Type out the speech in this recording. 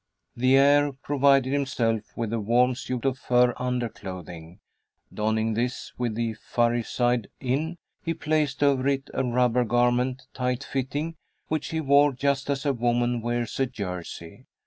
The heir provided himself with a warm suit of fur under clothing. Donning this with the furry side in, he placed over it a rubber garment, tightfitting, which he wore just as a woman wears a jersey.